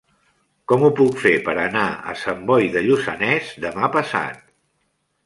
Com ho puc fer per anar a Sant Boi de Lluçanès demà passat?